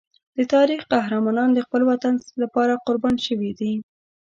د تاریخ قهرمانان د خپل وطن لپاره قربان شوي دي.